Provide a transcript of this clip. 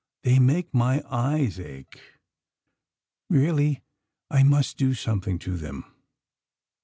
They make my eyes ache. Really, I must do some thing to them.''